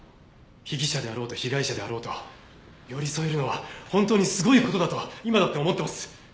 被疑者であろうと被害者であろうと寄り添えるのは本当にすごい事だと今だって思ってます。